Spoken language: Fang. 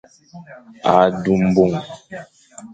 A du mbong.